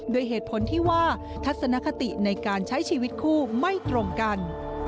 โดยเหตุผลที่ว่าทัศนคติในการใช้ชีวิตคู่ไม่ตรงกัน